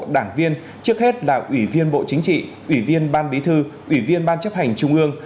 đảng viên trước hết là ủy viên bộ chính trị ủy viên ban bí thư ủy viên ban chấp hành trung ương